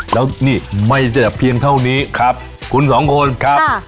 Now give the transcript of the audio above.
แล้วนี่ไม่ใช่เพียงเท่านี้ครับคุณสองคนครับ